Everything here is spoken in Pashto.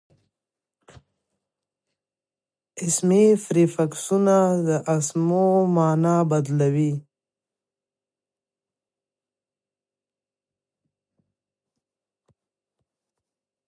اسمي پریفکسونه د اسمو مانا بدلوي.